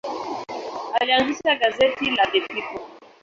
Alianzisha gazeti la The People.